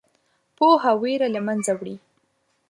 پوهه ویره له منځه وړي.